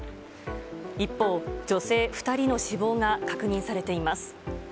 一方、女性２人の死亡が確認されています。